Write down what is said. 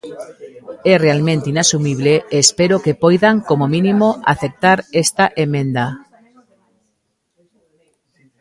É realmente inasumible e espero que poidan, como mínimo, aceptar esta emenda.